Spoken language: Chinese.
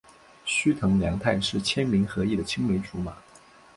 须藤良太是千明和义的青梅竹马。